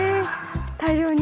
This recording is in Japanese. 大量に？